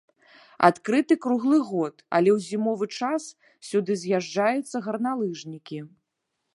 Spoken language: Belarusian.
Адкрыты круглы год, але ў зімовы час сюды з'язджаюцца гарналыжнікі.